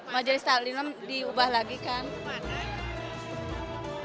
majelis taklim diubah lagi kan